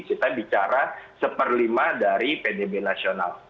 kita bicara satu per lima dari pdb nasional